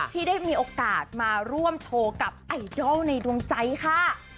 ที่ได้มีโอกาสมาร่วมโชว์กับไอดอลในดวงใจค่ะ